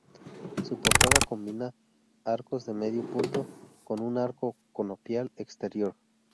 Su portada combina arcos de medio punto con un Arco conopial exterior.